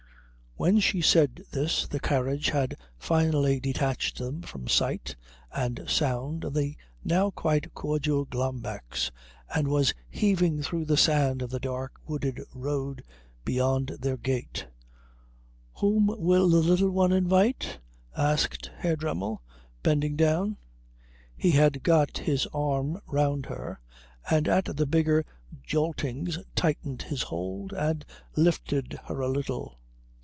When she said this the carriage had finally detached them from sight and sound of the now quite cordial Glambecks, and was heaving through the sand of the dark wooded road beyond their gate. "Whom will the Little One invite?" asked Herr Dremmel, bending down. He had got his arm round her, and at the bigger joltings tightened his hold and lifted her a little.